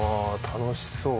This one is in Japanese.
楽しそう。